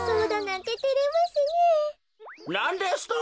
なんですと！？